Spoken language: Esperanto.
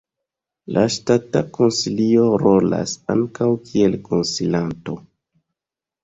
La Ŝtata Konsilio rolas ankaŭ kiel konsilanto.